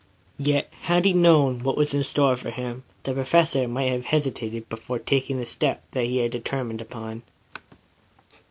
Yet, had he known what was in store for him, the Professor might have hesitated before taking the step that he had determined upon.